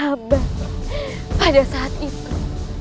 hamba pada saat itu